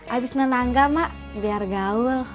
abis menangga mak biar gaul